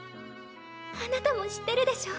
あなたも知ってるでしょ？